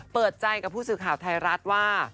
เปิดใจกับผู้สื่อข่าวไทยรัฐว่า